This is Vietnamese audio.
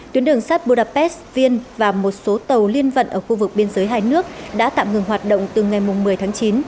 tuyến đường sắt budapes viên và một số tàu liên vận ở khu vực biên giới hai nước đã tạm ngừng hoạt động từ ngày một mươi tháng chín